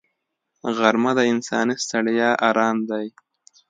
غرمه د انساني ستړیا آرام دی